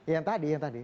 yang tadi yang tadi